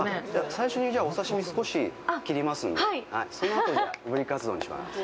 最初にお刺身を少し切りますんでそのあと、ブリカツ丼にします。